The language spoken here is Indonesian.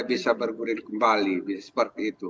kita bergurir kembali seperti itu